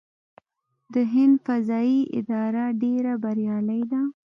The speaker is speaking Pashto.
د هند فضايي اداره ډیره بریالۍ ده.